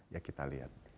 ya kita lihat